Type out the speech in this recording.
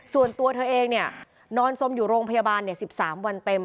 ส่วนตัวเธอเองนอนสมอยู่โรงพยาบาล๑๓วันเต็ม